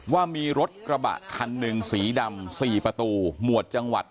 ว่ามีรถกระบะคันหนึ่งสีดำ๔ประตูหมวดจังหวัด